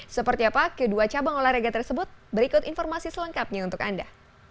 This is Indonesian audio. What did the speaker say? seperti apa kedua cabang olahraga tersebut berikut informasi selengkapnya untuk anda